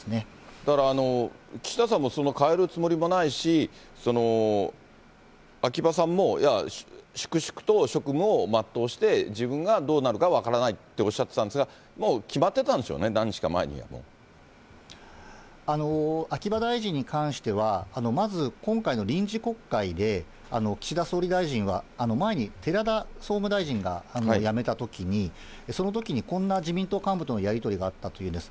だから岸田さんも代えるつもりもないし、秋葉さんも、いや、粛々と職務を全うして、自分がどうなるか分からないっておっしゃってたんですが、もう決まってたんでしょうね、秋葉大臣に関しては、まず、今回の臨時国会で、岸田総理大臣は前に寺田総務大臣が辞めたときに、そのときにこんな自民党幹部とのやり取りがあったというんです。